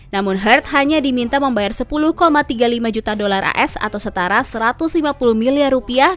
namun herd hanya diminta membayar sepuluh tiga puluh lima juta dolar as atau setara satu ratus lima puluh miliar rupiah